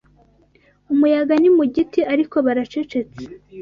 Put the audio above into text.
umuyaga ni mu giti, Ariko baracecetse